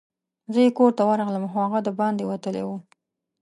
زه یې کور ته ورغلم، خو هغه دباندي وتلی وو.